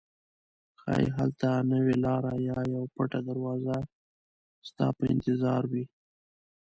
ښایي هلته نوې لاره یا یوه پټه دروازه ستا په انتظار وي.